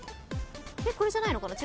えっこれじゃないのかな？